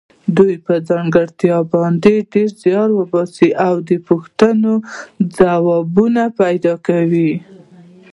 دوی په دې ځانګړتیا باندې ډېر زیار باسي او د پوښتنو ځوابونه پیدا کوي.